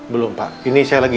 belum pak ini saya lagi